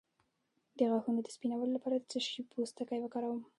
د غاښونو د سپینولو لپاره د څه شي پوستکی وکاروم؟